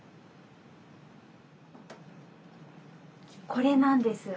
これなんです。